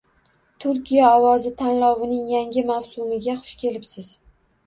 Turkiya ovozi tanlovining yangi mavsumiga hush kelibsiz.